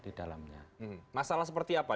di dalamnya masalah seperti apa